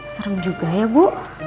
serem juga ya bu